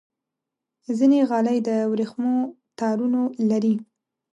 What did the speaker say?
ځینې غالۍ د ورېښمو تارونو لري.